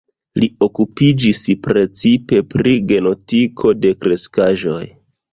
Li okupiĝis precipe pri genetiko de kreskaĵoj.